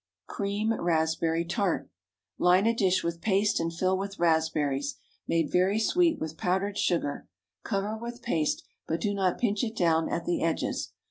CREAM RASPBERRY TART. ✠ Line a dish with paste and fill with raspberries, made very sweet with powdered sugar. Cover with paste, but do not pinch it down at the edges.